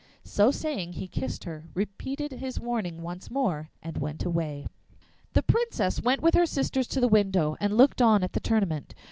So saying, he kissed her, repeated his warning once more, and went away. The Princess went with her sisters to the window and looked on at the tournament.